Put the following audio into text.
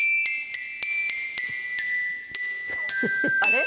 あれ？